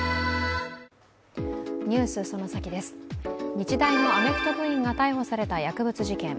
日大のアメフト部員が逮捕された薬物事件。